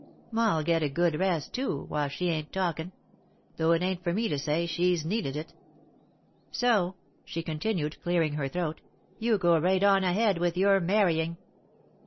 Ma'll get a good rest, too, while she ain't talkin', though it ain't for me to say she's needed it." [Sidenote: The Wedding Dawn] "So," she continued, clearing her throat, "you go right on ahead with your marrying."